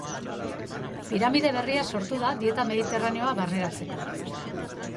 Piramide berria sortu da dieta mediterraneoa barneratzeko.